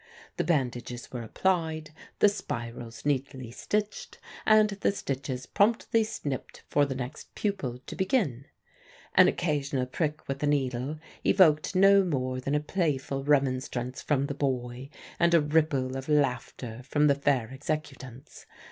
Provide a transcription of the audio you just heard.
The bandages were applied, the spirals neatly stitched, and the stitches promptly snipped for the next pupil to begin. An occasional prick with the needle evoked no more than a playful remonstrance from the boy and a ripple of laughter from the fair executants.